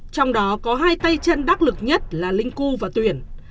trong đó có hai tay chân đắc lực nhất là linh cu và tuyển